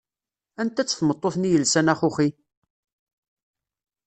Anta-tt tmeṭṭut-nni yelsan axuxi?